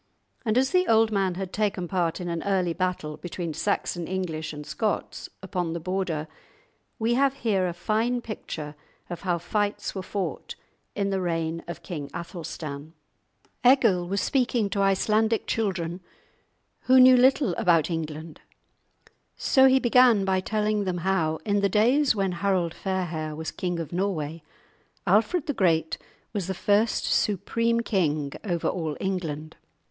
And as the old man had taken part in an early battle between Saxon English and Scots, upon the Border, we have here a fine picture of how fights were fought in the reign of King Athelstan. Egil was speaking to Icelandic children who knew little about England, so he began by telling how in the days when Harold Fairhair was king of Norway, Alfred the Great was the first supreme king over all England.